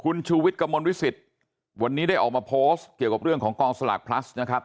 คุณชูวิทย์กระมวลวิสิตวันนี้ได้ออกมาโพสต์เกี่ยวกับเรื่องของกองสลากพลัสนะครับ